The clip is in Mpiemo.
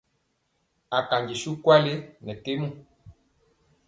Akanji suwu nkwale nɛ kemɔ.